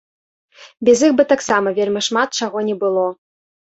Без іх бы таксама вельмі шмат чаго не было.